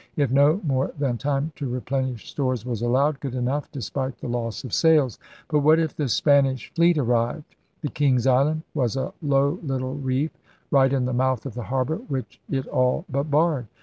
If no more than time to replenish stores was allowed, good enough, despite the loss of sales. But what if the Spanish fleet arrived? The * King's Island' was a low little reef right in the mouth of the harbor, which it all but barred.